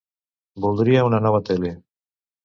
Voldria una nova tele.